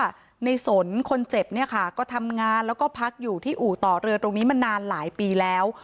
ในสนคนเจ็บเนี่ยค่ะก็ทำงานแล้วก็พักอยู่ที่อู่ต่อเรือตรงนี้มานานหลายปีแล้ว